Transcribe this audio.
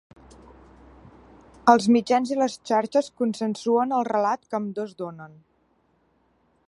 Els mitjans i les xarxes consensuen el relat que ambdós donen.